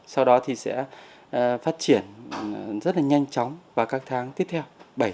sau đó thì sẽ phát triển rất là nhanh chóng vào các tháng tiếp theo bảy tám chín một mươi một mươi một một mươi hai